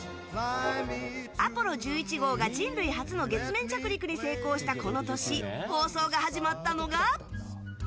「アポロ１１号」が、人類初の月面着陸に成功したこの年放送が始まったのが。